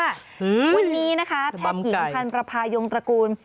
วันนี้นะคะแพทย์หญิงพันธ์ประพายงตระกูล